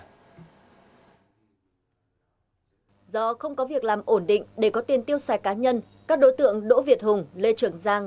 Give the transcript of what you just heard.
do không có việc làm ổn định để có tiền tiêu xài cá nhân các đối tượng đỗ việt hùng lê trưởng giang